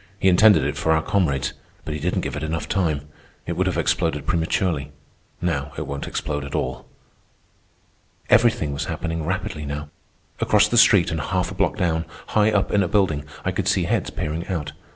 He intended it for our comrades, but he didn't give it enough time. It would have exploded prematurely. Now it won't explode at all." Everything was happening rapidly now. Across the street and half a block down, high up in a building, I could see heads peering out.